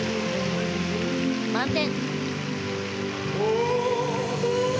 満点！